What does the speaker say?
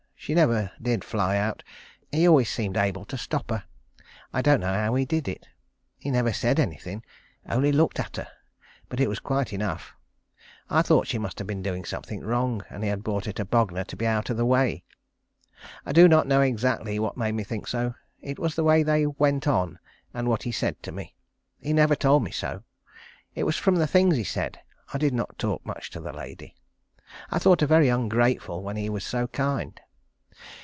She never did fly out. He always seemed able to stop her. I don't know how he did it. He never said anything; only looked at her; but it was quite enough. I thought she must have been doing something wrong, and he had brought her to Bognor to be out of the way. I do not know exactly what made me think so. It was the way they went on, and what he said to me. He never told me so. It was from things he said. I did not talk much to the lady. I thought her very ungrateful when he was so kind.